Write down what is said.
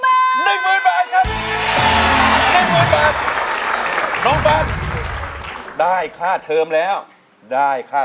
ร้องได้ในเพลงแรกแบบนี้